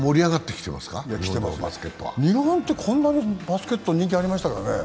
きてますね、日本ってこんなにバスケット人気ありましたっけ？